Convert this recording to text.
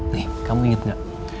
nih kamu inget gak